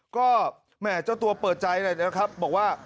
ก็แหม่เจ้าตัวเปิดใจเลยนะครับบอกว่า